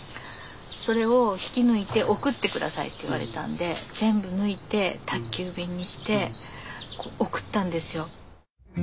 それを引き抜いて送って下さいって言われたんで全部抜いて宅急便にして送ったんですよ。